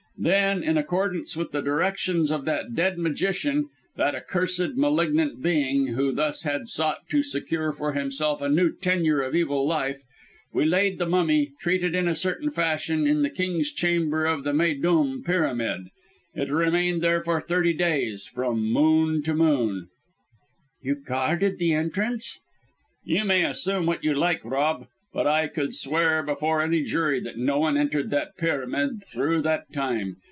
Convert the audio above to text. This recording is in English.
Then, in accordance with the directions of that dead magician that accursed, malignant being, who thus had sought to secure for himself a new tenure of evil life we laid the mummy, treated in a certain fashion, in the King's Chamber of the Méydûm Pyramid. It remained there for thirty days; from moon to moon " "You guarded the entrance?" "You may assume what you like, Rob; but I could swear before any jury, that no one entered the pyramid throughout that time.